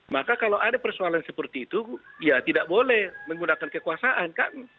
maka kalau ada persoalan seperti itu ya tidak boleh menggunakan kekuasaan kan